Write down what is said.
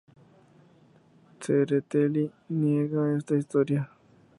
Tsereteli niega esta historia.